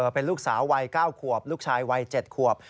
เป็นลูกสาววัย๙ขวบลูกชายวัย๗ขวบ